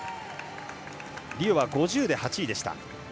リオは５０で８位でした。